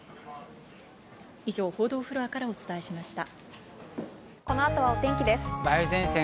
以上、報道フロアからお伝えしました。